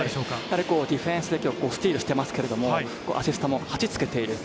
ディフェンスでスティールをしていましたけど、アシストも８つけています。